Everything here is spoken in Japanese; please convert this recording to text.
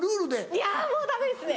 いやもうダメですね！